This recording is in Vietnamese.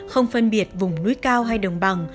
không phân biệt vùng núi cao hay đồng bằng